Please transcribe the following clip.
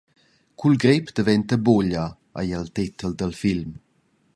«Cu il grep daventa buglia» ei il tetel dil film.